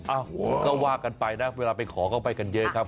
โอ้โหก็ว่ากันไปนะเวลาไปขอก็ไปกันเยอะครับ